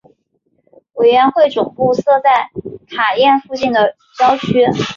委员会总部设在卡宴附近的郊区。